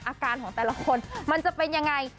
อาการของแต่ละคนมันจะเป็นยังไง